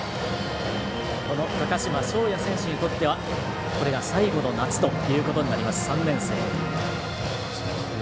高嶋奨哉選手にとってはこれが最後の夏ということになります３年生。